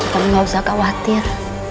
kamu gak usah khawatir